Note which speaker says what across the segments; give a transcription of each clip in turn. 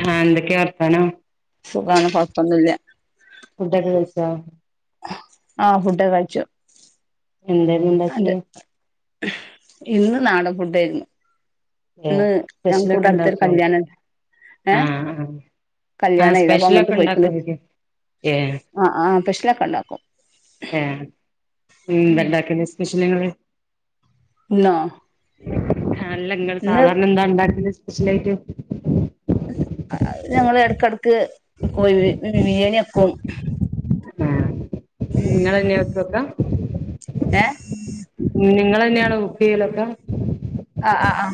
Speaker 1: ആഹ് എന്തൊക്കെയാ വർത്താനം
Speaker 2: സുഖാണ് കുഴപ്പൊന്നില്ല
Speaker 1: ഫുഡ്ക്കെ കഴിച്ചോ
Speaker 2: ആ ഫുഡ്ക്കോ കഴിച്ചു
Speaker 1: എന്തേ ഇന്ന്
Speaker 2: അതെ
Speaker 1: ഇണ്ടാക്ക്യേ
Speaker 2: ഇന്ന് നാടൻ ഫുഡേര്ന്നു ഇന്ന് ഞങ്ക്ക്ക്
Speaker 1: സ്പെഷ്യലൊക്കെ
Speaker 2: ഇവടടുത്തൊരു
Speaker 1: ഉണ്ടാക്കോ
Speaker 2: കല്യാണം ഏ
Speaker 1: ആ സ്പെഷ്യലൊക്കെ [unintelligible] ഏ
Speaker 2: ആഹ് ആഹ് സ്പെഷ്യലൊക്കെ ഉണ്ടാക്കും
Speaker 1: ഏ ന്താണ്ടാക്കല് സ്പെഷ്യല്
Speaker 2: ഇന്നോ
Speaker 1: അല്ല നിങ്ങൾ
Speaker 2: ഇന്ന്
Speaker 1: സാധാരണ എന്താ ഇണ്ടാക്കല് സ്പെഷ്യൽ ഐറ്റം
Speaker 2: അത് ഞങ്ങള് എടക്കെടക്ക് കോഴി ബിരിയാണി വെയ്ക്കും
Speaker 1: നിങ്ങളെന്നെ വെക്ക ഒക്കെ
Speaker 2: ഏ
Speaker 1: നിങ്ങളെന്നെയാണോ കൂക്ക് ചെയ്യലൊക്കെ
Speaker 2: ആ ആ ആ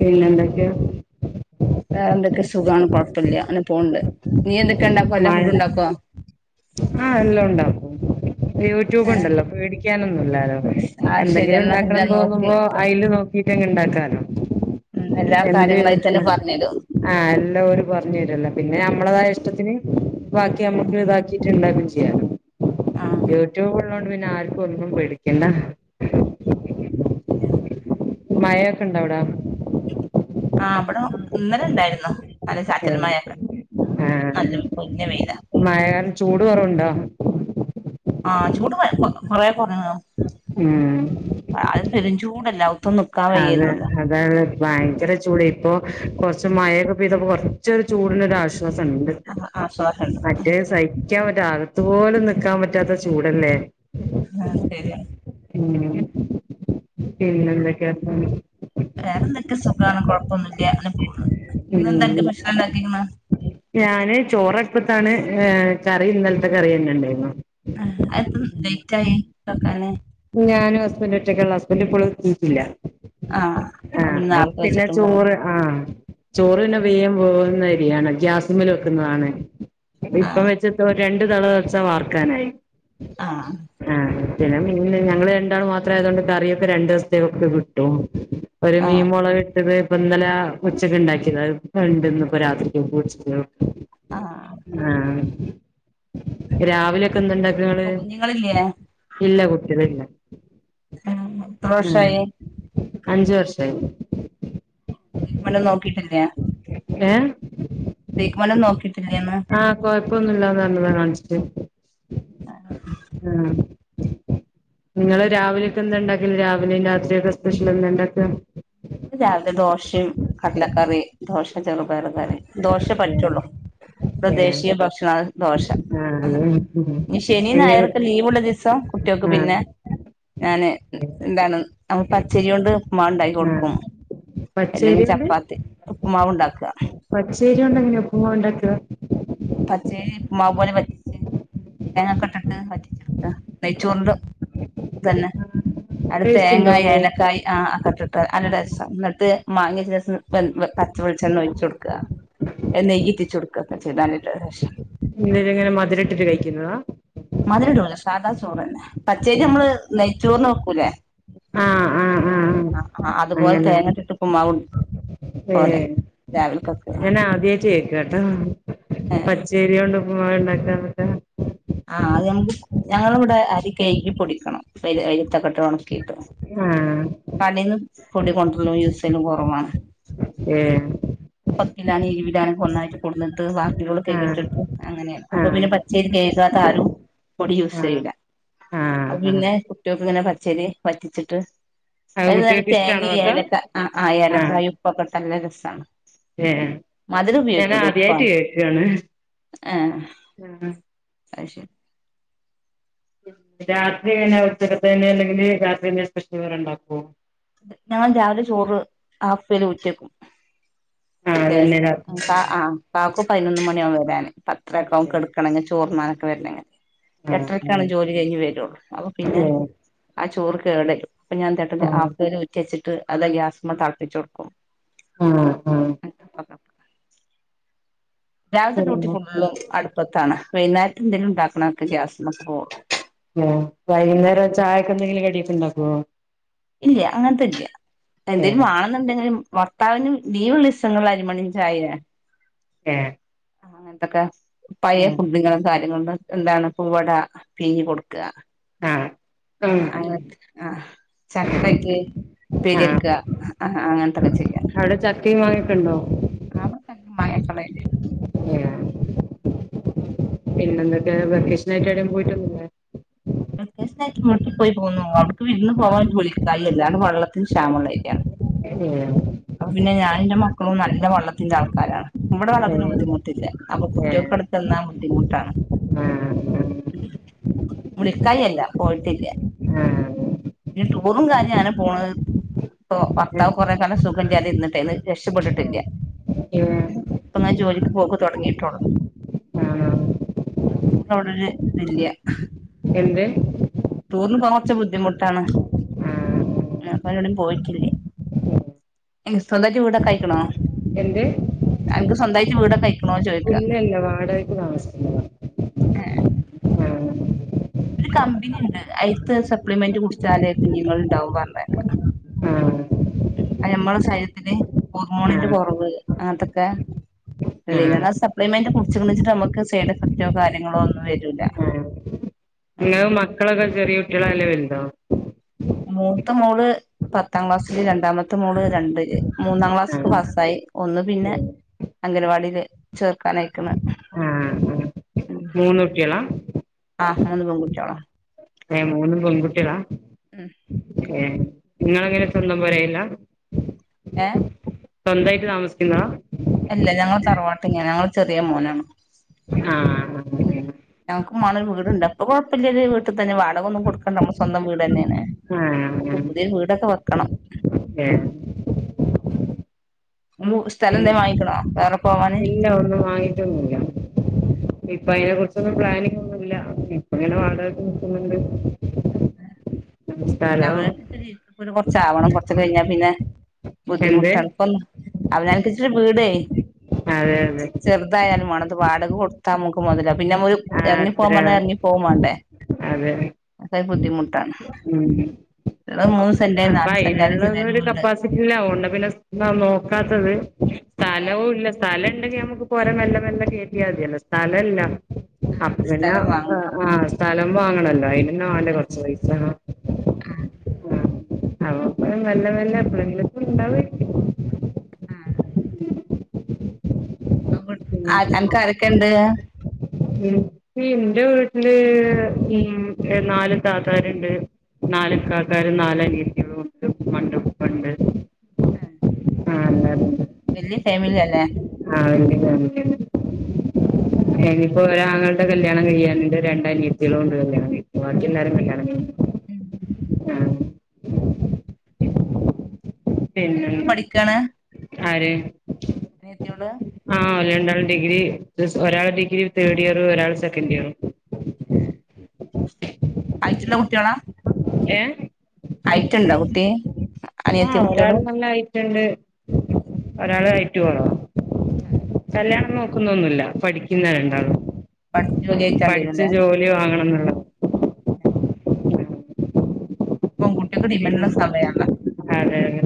Speaker 1: പിന്നെന്തൊക്യാ
Speaker 2: വേറെ എന്തൊക്കെ സുഖമാണ് കൊഴപ്പല്ല അങ്ങനെ പോകണ്ട് നീ എന്തൊക്ക
Speaker 1: ആ എല്ലാം ഒണ്ടാക്കും യൂട്യൂബ് ഉണ്ടല്ലോ പേടിക്കാനൊന്നുല്ലല്ലോ
Speaker 2: ആഹ് ശരി
Speaker 1: എന്തെങ്കിലും
Speaker 2: എന്നാ എല്ലാം
Speaker 1: ഉണ്ടാക്കണംന്ന്
Speaker 2: നോക്കി
Speaker 1: തോന്നുമ്പോ അയില് നോക്കി എങ്ങനെ ഇണ്ടാക്കാനോ
Speaker 2: ഉം എല്ലാ
Speaker 1: എന്ത്
Speaker 2: കാര്യങ്ങളായിട്ടെന്നെ പറഞ്ഞരും
Speaker 1: ആ എല്ലാ ഓര് പറഞ്ഞ് തരല്ലോ പിന്നെ ഞമ്മളതായ ഇഷ്ടത്തിന് ബാക്കി അമക്ക് താക്കി [unintelligible] ചെയ്യ
Speaker 2: ആഹ്
Speaker 1: യൂട്യൂബ് ള്ളൊണ്ട് പിന്നെ ആർക്കും ഒന്നും പേടിക്കണ്ട [inaudible] മയൊക്കെണ്ടവിടെ
Speaker 2: ആ ഇവിടെ ഇന്നലെണ്ടായിര്ന്നു നല്ല
Speaker 1: ഏ
Speaker 2: ചാറ്റൽമയൊക്കെ
Speaker 1: ആ
Speaker 2: ഇന്ന് പൊരിഞ്ഞ വെയില
Speaker 1: മഴ ചൂട് കുറവുണ്ടോ
Speaker 2: ആ ചൂട് കോ കൊറേ
Speaker 1: ഉം
Speaker 2: [unintelligible]
Speaker 1: അതെ
Speaker 2: വയ്യായിരുന്നല്ലോ
Speaker 1: അതാണ് ഭയങ്കര ചൂട് ഇപ്പൊ കുറച്ച് മയൊക്കെ പെയ്തപ്പോ കൊറച്ചൊരു ചൂടിന് ഒരാശ്വാ ശ്വാസണ്ട്
Speaker 2: ആശ്വാസണ്ട്
Speaker 1: മറ്റേ സ നിക്കാൻ പറ്റ അകത്ത് പോലും നിക്കാൻ പറ്റാത്ത ചൂടല്ലേ
Speaker 2: ആ ശെരിയ
Speaker 1: ഉം പിന്നെ എന്താക്കെ [unintelligible]
Speaker 2: ഒന്നൂല്ല അങ്ങനെ പോണ് ഇന്ന് എന്താ
Speaker 1: ഉം
Speaker 2: [unintelligible] ഭക്ഷണം ഉണ്ടാക്കക്ക്ണെത്
Speaker 1: ഞാന് ചോറ് അടുപ്പത്താണ് കറി ഇന്നലത്തെ കറി തന്നെ ഉണ്ടായിരുന്നു
Speaker 2: ആ അത് ത്താ ലേറ്റ് ആയേ വെക്കാന്
Speaker 1: ഞാനും ഹസ്ബൻഡും ഒറ്റയ്ക്കുള്ളൂ ഹസ്ബൻ്റ് ഇപ്പളും എത്തീട്ടില്ല
Speaker 2: ആഹ്
Speaker 1: ആ
Speaker 2: അത് പിന്നെ
Speaker 1: അപ്പ
Speaker 2: നേരത്തെ
Speaker 1: പിന്നെ
Speaker 2: വെച്ചിട്ടും കാര്യ
Speaker 1: ചോറ് ആ ചോറ്ന്നെ വേയൻ വേകുന്നയി [unintelligible] ണ് ഗ്യാസ്മൽ വെക്കുന്നതാണ് ഇപ്പം
Speaker 2: ആഹ്
Speaker 1: വെച്ചൊട്ത്താ ഒരു രണ്ടു തള തളച്ചാ വാർക്കാനായി
Speaker 2: ആ
Speaker 1: ആഹ് പിന്നെ മി പിന്നെ ഞങ്ങള് രണ്ടാൾ മാത്രം ആയതുകൊണ്ട് കറിയൊക്കെ രണ്ടു ദിവസത്തേക്കൊക്കെ കിട്ടും ഒരു മീൻ
Speaker 2: ആഹ്
Speaker 1: മുളക് ഇട്ടത് ഇന്നലെ ഉച്ചക്ക് ഇണ്ടാക്കിയതാ അളപ്പണ്ടി ന്ന് രാത്രിക്കക്കും ഉച്ചത്തേക്കും
Speaker 2: ആഹ്
Speaker 1: ആ രാവിലെ ക്കെന്തണ്ടാക്ക ഇങ്ങള്
Speaker 2: അപ്പൊ കുഞ്ഞുങ്ങളില്ലേ
Speaker 1: ഇല്ല കു ഇല്ല
Speaker 2: ഉം ത്രവർഷായി
Speaker 1: അഞ്ച് വർഷായി
Speaker 2: [unintelligible] നോക്കീട്ടില്ലേ
Speaker 1: ഏ
Speaker 2: ട്രീറ്റ്മെൻ്റുംനോക്കിട്ടില്ലെന്ന്
Speaker 1: ഇക്കൊന്നൂല്ലാന്ന് പറഞ്ഞ് ഞാൻ കാൺച്ചിട്ട് ആഹ് നിങ്ങള് രാവിലേക്ക് എന്താ ഉണ്ടാക്കല് രാവിലെയും രാത്രിയൊക്കെ സ്പെഷ്യൽ എന്താ ഉണ്ടാക്കാ
Speaker 2: രാവിലെ ചെറുപയറ് കറി ദോശ
Speaker 1: ഏഹ്
Speaker 2: പറ്റൊള്ളൂ [unintelligible]
Speaker 1: ഏഹ്
Speaker 2: ദേശീയ ഭക്ഷണാ ദോശ
Speaker 1: ആഹ്
Speaker 2: ഹ
Speaker 1: അത്
Speaker 2: ഇനി ശനി
Speaker 1: എങ്ങനെ
Speaker 2: ഞായറൊക്കെ ലീവ്ള്ള ദിവസം കുട്ടിയേൾക്ക് പിന്നെ
Speaker 1: ആഹ്
Speaker 2: ഞാന് എന്താണ് പച്ചരി കൊണ്ട് ഉപ്പ്മ്മാവ് ഉണ്ടാക്കി
Speaker 1: ആ
Speaker 2: കൊടുക്കും ക്കും അല്ലെങ്കി
Speaker 1: പച്ചരി
Speaker 2: ചപ്പാത്തി ഉപ്പ്മാവ് ഉണ്ടാക്കാ
Speaker 1: പച്ചേര്യോണ്ടെങ്ങന്യാ ഉപ്പ്മാവ് ഉണ്ടാക്കാ
Speaker 2: പച്ചേരി ഉപ്പ് മാവോലെ വറ്റിച്ച് തേങ്ങക്കൊട്ടിട്ട് വറ്റിച്ചെടുക്ക നെയ്ച്ചോർ ൻ്റെ ഇതന്നെ അടു
Speaker 1: ടേസ്റ്റ്
Speaker 2: ത്തേങ്ങായി
Speaker 1: ഉണ്ടാവോ
Speaker 2: ഏലക്കായ് ആ അക്ക ട്ട്ട്ട് ട്ട് നല്ല രസാ ഇന്നട്ട് മാങ്ങിയ ശേഷം പ പച്ചവെളിച്ചെണ്ണ ഒഴിച്ച് കൊടുക്കാ നെയ്യിറ്റിച്ചു കൊടുക്കൊക്കെ ചെയ്താല് ല്ല രഷാ
Speaker 1: എന്തേലും ഇങ്ങനെ മധുരം ഇട്ടിട്ട് കഴിക്കുന്നതാ
Speaker 2: മധ് രടൂല സാദാ ചോറന്നെ പച്ചരി ഞമ്മള് നയ് ചോർന് വക്കൂല്ലേ ആ അ അ അതുപോലെ
Speaker 1: അങ്ങനെ
Speaker 2: തേങ്ങട്ടിട്ട് ഉപ്പ്മാവും
Speaker 1: ഏ
Speaker 2: പോലെ രാവിൽക്കൊക്കെ
Speaker 1: പച്ചേരിയു [unintelligible]
Speaker 2: ആഹ അത് നമ്ക്ക് ഞങ്ങളിവിടെ അരി കഴികി പൊടിക്കണം [unintelligible] ഇത്തക്കെട്ട് ഉണക്കിയിട്ട്
Speaker 1: ആ
Speaker 2: കടയിന്ന് പൊടി കൊണ്ടലോ യൂസലും കുറവാണ്
Speaker 1: ഏ
Speaker 2: പക്കിലാണ് ഇവിടാണ് ഒന്നായിട്ട് കൊടുന്നെട്ത്ത് വാ [unintelligible]
Speaker 1: ആ
Speaker 2: കഴികി ഇട്ടിട്ട് അങ്ങനെയാണ്
Speaker 1: ആ
Speaker 2: അപ്പൊ പിന്നെ പച്ചേരി നേ താരും പൊടി
Speaker 1: ആ
Speaker 2: യൂസ്സെയ്യുല
Speaker 1: ആ
Speaker 2: അപൊ
Speaker 1: ആ
Speaker 2: പിന്നെ ഇങ്ങനെ പച്ചേരി വറ്റിച്ചിട്ട്
Speaker 1: അത്
Speaker 2: എല്ലാരും
Speaker 1: കുട്ടികൾക്ക് ഇഷ്ടാണോ
Speaker 2: തേങ്ങയും
Speaker 1: അതൊക്കെ
Speaker 2: ഏലക്ക ആ ആ ഏലക്കായും ഉപ്പൊക്കെ ഇട്ടല്ലെ രസാണ്
Speaker 1: ഏ
Speaker 2: മധുരം
Speaker 1: ഞാൻ
Speaker 2: ഉപയോഗിക്കൂല
Speaker 1: ആദ്യായിട്ട്
Speaker 2: ഉപ്പാണ്
Speaker 1: കേക്കാണ്
Speaker 2: ആ
Speaker 1: ആ
Speaker 2: ആ അയ്ശരി
Speaker 1: രാത്രി കഴിഞ്ഞ [unintelligible] അല്ലെങ്കില് രാത്രിെ്തന്നെ സ്പെഷ്യല് ഉണ്ടാക്കോ
Speaker 2: ഞാൻ രാവിലെ ചോറ് ആഫില് ഊറ്റും
Speaker 1: ആഹ് അതന്നെ രാത്രി
Speaker 2: ലേസം കാ ആ കാക്കു പതിനൊന്ന് മണിയാവുഠ വരാന് പത്തര ഒക്കെ ആവും കിടക്കണെങ്കിൽ ചോറുണ്ണ വര-
Speaker 1: ആഹ്
Speaker 2: ഇട്ടരക്കാണ് ജോലി കഴിഞ്ഞ് വരുള്ളൂ അപ്പൊ പിന്നെ
Speaker 1: ആഹ്
Speaker 2: ആ ചോറ് കേടരും അപ്പൊ ഞാൻ [unintelligible] വച്ചിട്ട് അത് ഗ്യാസിമേ തിളപ്പിച്ചു കൊടുക്കും
Speaker 1: ആഹ ആഹ
Speaker 2: രാവിലത്തെ ഡ്യൂട്ടി
Speaker 1: പിന്നെ
Speaker 2: ഫുള്ളും അടുപ്പത്താണ് വൈകുന്നേരം എന്തെങ്കിലും ഉണ്ടാക്കണഒക്കെ ഗ്യാസ്
Speaker 1: ഉം വൈകുന്നേരം ചായ എന്തെങ്കിലും കടിയൊക്കെ ഉണ്ടാക്കുവോ
Speaker 2: ഇല്ല അങ്ങനത്തെല്ല എന്തെലും
Speaker 1: ഏഹ്
Speaker 2: വാണെന്നുണ്ടെങ്കിലും ഭർത്താവിനും ലീവ്ള്ള ദിവസങ്ങളിൽ അരിമണി ചായേ
Speaker 1: ഏഹ്
Speaker 2: ആ അങ്ങനന്തൊക്കെ പഴയ ഫുഡ് ഇങ്ങനും കാര്യങ്ങള- എന്താണ് പൂവട പീങ്ങി കൊടുക്കുക
Speaker 1: ആഹ് ആഹ്
Speaker 2: ആഹ
Speaker 1: ആഹ്
Speaker 2: അ ആഹ് ചക്കറ്റ് ഉപെരിക
Speaker 1: ആഹ്
Speaker 2: ആ അങ്ങനത്തെക്കെ
Speaker 1: അവിടെ ചക്കയും മാങ്ങയുക്കെ ഉണ്ടോ
Speaker 2: ഇപ്പളെ
Speaker 1: പിന്നെ എന്തൊക്കെ വെക്കേഷനായിട്ട് എവിടേം പോയിട്ടൊന്നുല്ലേ
Speaker 2: വെക്കേഷനായിട്ട് വീട്ടി പോയി പോന്നു അവിടക്ക് വിരുന്ന് പോകാൻ വിളിക്കാല്ലതണ് വെള്ളത്തിന് ക്ഷാമ ഉള്ള ഏരിയ ആണ്
Speaker 1: ഉം
Speaker 2: പിന്നെ ഞാനും എന്റെ മക്കളും നല്ല വെള്ളത്തിന്റെ ആൾക്കാരാണ് ഇവിടെ വെള്ളത്തിനു
Speaker 1: ഏഹ്
Speaker 2: ബുദ്ധിമുട്ടില്ലഅപ്പോ
Speaker 1: ഏഹ്
Speaker 2: കുട്ടികൾക്ക് അവിടെ ചെന്നാൽ ബുദ്ധിമുട്ടാണ്
Speaker 1: ആഹ്
Speaker 2: വിളിക്കാഞ്ഞല്ല പോയിട്ടില്ല
Speaker 1: ആഹ് ആഹ്
Speaker 2: ഇനി ടൂറും കാര്യം അന പോണ ഇപ്പൊ ഭർത്താവ് കൊറെ കാല സുഖം ഇല്ല്യാതെ ഇരുന്നിട്ട് രക്ഷപെട്ടിട്ടില്ല
Speaker 1: ഏഹ്
Speaker 2: ഇപ്പൊ ഞാൻ ജോലിക്ക് പോക്ക്‌ തുടങ്ങിട്ടുള്ളു
Speaker 1: ആഹ്
Speaker 2: ടൂർ ഉടനെ ഇല്ല
Speaker 1: എന്ത്
Speaker 2: ടൂറിന് പോണോന്ന്ച്ച ബുദ്ധിമുട്ടാണ്
Speaker 1: ആഹ്
Speaker 2: അപ്പഎവിടേം പോയിട്ടില്ല സ്വന്തായിട്ട് വീടൊക്കെ ആയിക്കണോ
Speaker 1: എന്റെ
Speaker 2: അനക്ക് സ്വന്തയിട്ട് വീടൊക്കെ ആയിക്കണോ ചോദി-
Speaker 1: ഇല്ല ഇല്ല വാടകക്ക് താമസിക്കുന്നതാ
Speaker 2: എഹ്
Speaker 1: ആഹ്
Speaker 2: ഒരു കമ്പനി ഇണ്ട് അയിത്ത് സപ്ലിമെന്റ് കുടിച്ചാലേ കുഞ്ഞുങ്ങൾ ഇണ്ടാവും പറഞ്ഞെക്ക
Speaker 1: ആഹ്
Speaker 2: ഉം അത് നമ്മടെ ശരീരത്തില് ഹോർമോണിന്റെ
Speaker 1: ആഹ്
Speaker 2: കുറവ് അങ്ങനത്തൊക്കെ ളേന
Speaker 1: ആഹ്
Speaker 2: സപ്ലിമെന്റ് കുടിച്ചു വെച്ചിട്ട് നമുക്ക് സൈഡ് എഫക്റ്റോ കാര്യങ്ങളോ ഒന്നും വരൂല
Speaker 1: നിങ്ങൾ
Speaker 2: ഉം
Speaker 1: മക്കളൊക്കെ ചെറിയ [unintelligible]
Speaker 2: മൂത്ത മോള് പത്താം ക്ലാസ്സില്, രണ്ടാം മ മത്തെ മോള് രണ്ടില്, മൂന്നാം ക്ലാസ്
Speaker 1: ആഹ്
Speaker 2: പാസ്സായി, ഒന്ന് പിന്നെ അംഗൻവാടിൽ
Speaker 1: ആ
Speaker 2: ഉം
Speaker 1: മൂന്ന് കുട്ടിളാ
Speaker 2: ആ മൂന്ന് പെൺകുട്ടികളാ
Speaker 1: ഏ മൂന്നും പെൺകു ട്ട്യാള
Speaker 2: ഉം
Speaker 1: ഏ നിങ്ങളങ്ങനെ സ്വന്തം പൊരയില്ല.
Speaker 2: ഏ
Speaker 1: സ്വന്തായിട്ട് താമസിക്കുന്നാ
Speaker 2: അല്ല ഞങ്ങള് തറവാട്ട് [unintelligible] ചെറിയ മോനാണ്
Speaker 1: ആഹ്
Speaker 2: ഞങ്ങക്ക് മണൽ വീടുണ്ട് [unintelligible] [unintelligible] വീട്ടിൽ തന്നെ വാടകയൊന്നും കൊടുക്കണ്ട നമ്മ സ്വന്തം വീട് ന്നെയാണ്
Speaker 1: ആഹ്
Speaker 2: നമുക്ക്
Speaker 1: ആഹ്
Speaker 2: പുതിയൊരു വീടൊക്കെ വെക്കണം
Speaker 1: ഏഹ്
Speaker 2: ഉമ്മു സ്ഥലം എന്തേലും വാങ്ങിക്ക്ണോ?
Speaker 1: ഇല്ല ഒന്നും വാങ്ങിട്ടൊന്നൂല്ല്യ ഇപ്പ അയിനെ കുറിച്ചൊന്നും പ്ലാനിങ്ങ് ഒന്നുല്ല, ഇപ്പ ഇങ്ങനെ വാടകക്ക് നിക്ക്ന്ന്ണ്ട്
Speaker 2: [unintelligible] [unintelligible] ചാവണം കൊറച്ച് കഴിഞ്ഞാ പിന്നെ
Speaker 1: എന്ത്
Speaker 2: ബുദ്ധിമുട്ടാണ്, ഇപ്പം അവനാൻക്ക്ച്ച്ട്ട് വീടേ
Speaker 1: അതെ
Speaker 2: [unintelligible] ചെ
Speaker 1: അതെ
Speaker 2: ചെറ്തായാലും മാണം ത് വാടക കൊടുത്താ അമുക്ക് മൊതല പിന്നെ [unintelligible]
Speaker 1: ആ അത്ര
Speaker 2: എറങ്ങിപ്പോവാൻ പറഞ്ഞ എനിറങ്ങിപ്പോവേം വേണ്ടേ.
Speaker 1: അതെ
Speaker 2: അത് ഒരു ബുദ്ധിമുട്ടാണ് ഉള്ളത് മൂന്ന് സെന്റ്
Speaker 1: അപ്പ
Speaker 2: നാല് സെന്റായാലും ചെറിയൊരു
Speaker 1: അയിനുള്ളരു
Speaker 2: വീട്
Speaker 1: കപ്പാസിറ്റിയില്ലാവൊണ്ടേ പിന്നെ സ് അതാ നോക്കാത്തത്.
Speaker 2: ഏ
Speaker 1: സ്ഥലവും ഇല്ല, സ്ഥല ളണ്ടെങ്കി നമുക്ക് പൊര മെല്ലെ മെെല്ല കേറ്റിയ മതിയല്ലോ, സ്ഥലല്ലാ
Speaker 2: ആ
Speaker 1: അപ്പൊ
Speaker 2: അത്
Speaker 1: പിന്നെ
Speaker 2: സ്ഥലം വാങ്ങണം
Speaker 1: ആ സ്ഥലം വാങ്ങണല്ലോ അയ്‌ല് പിന്നെ വാണ്ടെ കൊറച്ച് പൈസാ [unintelligible] അവപ്പ നല്ല നല്ല ബന്ധുക്കൾ ഇണ്ടാവായിരിക്കും
Speaker 2: ആഹ്
Speaker 1: [unintelligible]
Speaker 2: അ അൻക്കാരക്കെ ഇണ്ട്
Speaker 1: ഇൻക്ക് ഇന്റെ വീട്ടില് ഉം നാല് താത്താര്ണ്ട് നാല് ഇക്കാക്കാരും നാല് അനീത്തിയോളും ഉണ്ട് ഇമ്മണ്ട് ഇപ്പണ്ട് ആ [inaudible]
Speaker 2: വെല്യ ഫാമിലിയാല്ലേ
Speaker 1: [unintelligible] ഇപ്പൊ ഒരാങ്ങളടെ കല്യാണം ക യ്യാനിണ്ട്, രണ്ടാനിയത്യളും ഉണ്ട് കല്യാണം കഴിക്കാ, വാക്കി എല്ലാരും കല്യാണം കഴിഞ്ഞു
Speaker 2: ഉം
Speaker 1: ആ
Speaker 2: [unintelligible] പഠിക്കാണ്
Speaker 1: ആര്
Speaker 2: അനിയത്ത്യോള്
Speaker 1: ആഹ് ഓല് രണ്ടാളും ഡിഗ്രി ഒരാള് ഡിഗ്രി തേഡ് ഇയർ ഒരാള് സെക്കൻഡ് ഇയറും
Speaker 2: ഹൈറ്റുള്ള കുട്ടിയോള
Speaker 1: ഏ
Speaker 2: ഹൈറ്റുണ്ടോ കുട്ടി അനിയത്തി
Speaker 1: ആഹ് ഒരാൾ
Speaker 2: കുട്ടിയോള്
Speaker 1: നല്ല ഹൈ റ്റ്ണ്ട് ഒരാള് ഹൈറ്റ് കുറവാ കല്യാണം നോക്കുന്നൊന്നില്ല പഠിക്കുന്നരണ്ടാളും
Speaker 2: പഠിച്ച് ജോലി ആയിട്ടാണ്ട്
Speaker 1: പഠിച്ച്
Speaker 2: വരുല്ലേ
Speaker 1: ജോലി വാങ്ങണംന്നുള്ളത
Speaker 2: പെൺകുട്ടിയോക്ക് ഡിമാൻഡ്
Speaker 1: പിന്നെ
Speaker 2: ഇള്ള സമയാണല്ലാ
Speaker 1: അതെ അതെ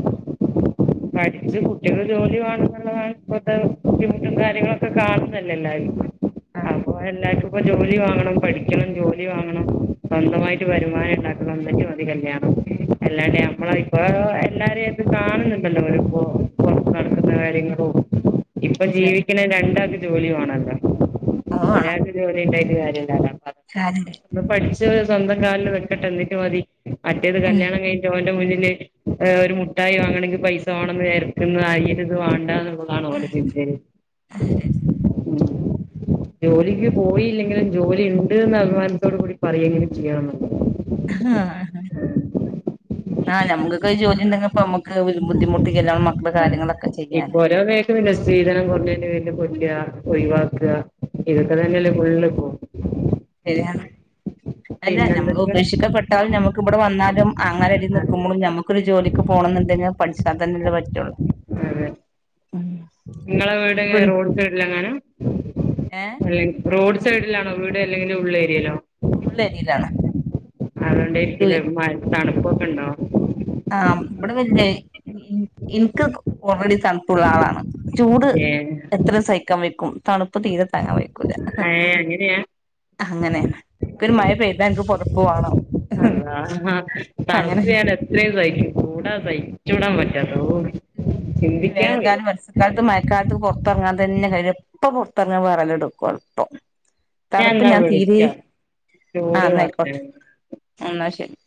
Speaker 1: പഠിച്ച് കുട്ടിക്ക് ജോലി വാണം ന്നുള്ളതാണ് ഇപ്പത്തെ ബുദ്ധിമുട്ടും കാര്യങ്ങളൊക്കെ കാണുന്നല്ലേ എല്ലാരും അപ്പോ എല്ലാ [inaudible] ഇപ്പൊ ജോലി വാങ്ങണം പഠിക്കണം ജോലി വാങ്ങണം സ്വന്തമായിട്ട് വരുമാനം ഇണ്ടാക്കണം എന്നിട്ട് മതി കല്യാണം അല്ലാണ്ട് നമ്മള ഇപ്പ എല്ലാരെയും അത് കാണുന്ന്ണ്ട് അവരിപ്പോ പുറത്ത് നടക്കുന്ന കാര്യങ്ങളോ ഇപ്പൊ
Speaker 2: അത് വേണം
Speaker 1: ജീവിക്കണേ രണ്ടാൾക്കും ജോലി വേണല്ലോ ഒരാൾക്ക് ജോലി ഉണ്ടായിട്ട് ഒരു കാര്യല്ലല്ലോ
Speaker 2: കാര്യണ്ട്
Speaker 1: [inaudible] പഠിച്ച [inaudible] സ്വന്തംകാലിൽ നിക്കട്ടെ എന്നിട്ട് മതി മറ്റേത് കല്യാണം കഴിഞ്ഞോ മുന്നിൽ ഒരു മുട്ടായി വാങ്ങണേങ്കിൽ പൈസ വാ ണെന്ന് എരക്കുന്നത് അല്ലെങ്കിൽ ഇത് വാണ്ടന്ന് എന്നാണ് ഓലെ ചിന്ദേൽ ജോലിക്ക് പോയില്ലെങ്കിലും ജോലി ഉണ്ട്ന്ന് അഭിമാനത്തോട് കൂടി പറയുകെങ്കിലും ചെയ്യണം
Speaker 2: ഇപ്പം ജോലി ഉണ്ടെങ്കിൽ നമുക്ക്ഒരു ബുദ്ധിമുട്ട്
Speaker 1: ആ ഇപ്പൊ ഓരോ വേക്കില്ല സ്ത്രീധനം കുറഞ്ഞന്റെ പേരിൽ കൊല്ല ഒഴിവാക്ക ഇതൊക്കെ തന്നെല്ല ഫുള്ള് ഇപോ
Speaker 2: ശരിയാണ് അല്ല നമ്മള്
Speaker 1: പിന്നെന്തൊക്കെ
Speaker 2: ഉപേക്ഷിക്കപ്പെട്ടാലും നമുക്കി വന്നാലും അങ്ങനെരിതി
Speaker 1: അതെ
Speaker 2: നിൽക്കുമ്പോഴും നമുക്കൊരു ജോലിക്ക് പോകണം എന്നുണ്ടെങ്കിൽ പഠിച്ച അതനല്ലെ പറ്റുള്ളൂ
Speaker 1: അതെ അതെ
Speaker 2: ഉം
Speaker 1: നിങ്ങളെ
Speaker 2: ഇപ്പ
Speaker 1: വീടെങ്ങനെ റോഡ് സൈഡിലെങ്ങാനും
Speaker 2: ഏഹ്
Speaker 1: അല്ലെ റോഡ് സൈഡിലാണോ വീട് അല്ലെങ്കിൽ ഉള്ള് ഏരീയിലോ
Speaker 2: ഉള്ളേരിയിലാണ്
Speaker 1: അതോണ്ടിയിരിക്കൂലെ തണുപ്പൊക്കെ ഉണ്ടോ
Speaker 2: ഉം ഇനിക്ക് ഓൾറെഡി തണുപ്പുള്ള ആളാണ് ചൂട്
Speaker 1: ഏ
Speaker 2: എത്ര സഹിക്കാൻ വെയ്ക്കും തണുപ്പ് ഇപ്പൊ തീരെ താങ്ങാൻ വയ്ക്കൂല
Speaker 1: ഏ അങ്ങനെയാ
Speaker 2: അങ്ങനെയാണ് ഇപ്പോ ഒരു മഴ പെയതാ എനിക്ക് പൊതപ്പ് വേണം
Speaker 1: അള്ളാ
Speaker 2: അങ്ങനെ
Speaker 1: തണുപ്പ് ഞാൻ എത്രയും സഹിക്കും ചൂടാ സഹിച്ചൂടാൻ പറ്റാ
Speaker 2: വേനൽക്കാലം വർഷക്കാലത്ത് മഴക്കാലത്ത് പുറത്തിറങ്ങാ ഇതന്നെ കാര്യം എപ്പോ പുറത്തിറങ്ങിയാലും വിറയെലെടുക്കും അപ്പം തണുപ്പ്
Speaker 1: എന്നാ
Speaker 2: ഞാൻ തീരെ
Speaker 1: വിളിക്കാം ചോറ്
Speaker 2: ആന്നായിക്കോട്ടെ
Speaker 1: വാർത്തയാണ്
Speaker 2: എന്നാ ശരി